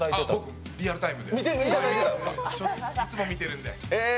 はい、リアルタイムで、いつも見てるんで。